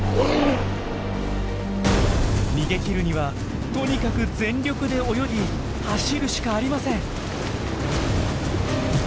逃げ切るにはとにかく全力で泳ぎ走るしかありません。